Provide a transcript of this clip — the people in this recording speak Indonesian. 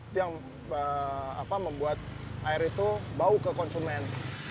itu yang membuat air itu bau ke konsumen